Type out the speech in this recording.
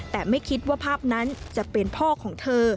แต่ไม่คิดว่าภาพนั้นจะเป็นพ่อของเธอ